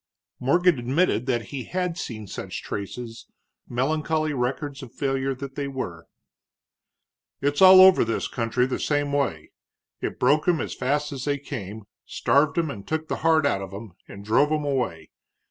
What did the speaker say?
Morgan admitted that he had seen such traces, melancholy records of failure that they were. "It's all over this country the same way. It broke 'em as fast as they came, starved 'em and took the heart out of 'em and drove 'em away.